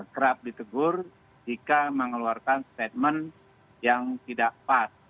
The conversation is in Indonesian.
kerap ditegur jika mengeluarkan statement yang tidak pas